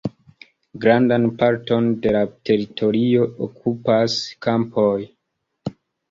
Grandan parton de la teritorio okupas kampoj.